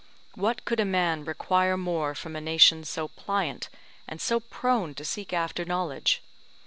What could a man require more from a nation so pliant and so prone to seek after knowledge?